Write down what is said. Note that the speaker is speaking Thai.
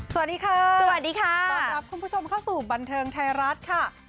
สวัสดีค่ะสวัสดีค่ะต้อนรับคุณผู้ชมเข้าสู่บันเทิงไทยรัฐค่ะ